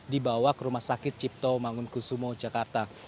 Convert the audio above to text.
dibawa ke rumah sakit cipto mangun kusumo jakarta